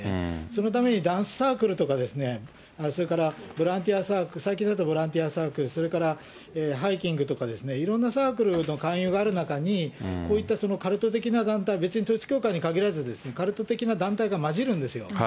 そのためにダンスサークルとか、それからボランティアサークル、最近だとボランティアサークル、それからハイキングとか、いろんなサークルの勧誘がある中に、こういったカルト的な団体、別に統一教会にかぎらず、カルト的な団体が交じるんですよ。